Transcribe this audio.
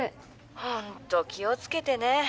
ホント気を付けてね。